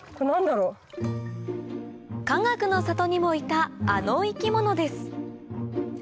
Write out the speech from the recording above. かがくの里にもいたあの生き物です